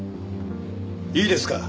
いいですか？